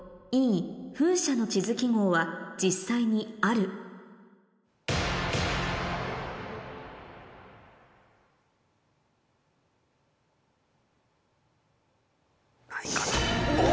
Ｅ風車の地図記号は実際にあるお！